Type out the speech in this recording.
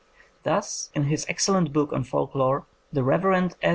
Thus in his excellent book on folk lore, the Rev. S.